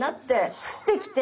降ってきて。